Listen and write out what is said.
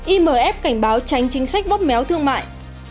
imf cảnh báo tránh chính sách bóp méo thương mại